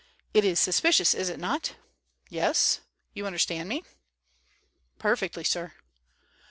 It is suspicious, is it not? Yes? You understand me?" "Perfectly, sir."